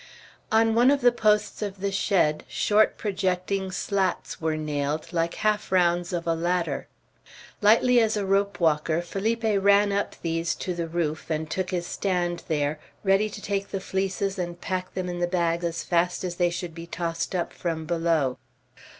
On one of the posts of the shed short projecting slats were nailed, like half rounds of a ladder. Lightly as a rope walker Felipe ran up these, to the roof, and took his stand there, ready to take the fleeces and pack them in the bag as fast as they should be tossed up from below.